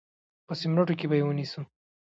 په سمینټو کې به یې ونیسو.